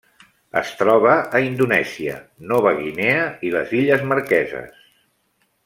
Es troba a Indonèsia, Nova Guinea i les Illes Marqueses.